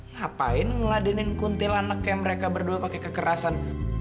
ngapain ngeladenin kuntil anak kayak mereka berdua pakai kekerasan